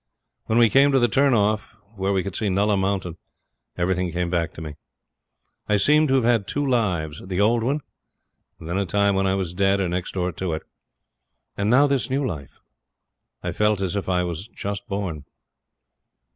When we came to the turn off where we could see Nulla Mountain everything came back to me. I seemed to have had two lives; the old one then a time when I was dead, or next door to it now this new life. I felt as if I was just born.